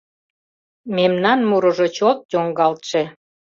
Мемнан мурыжо чот йоҥгалтше